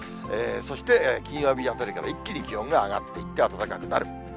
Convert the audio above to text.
そして金曜日あたりから一気に気温が上がっていって、暖かくなる。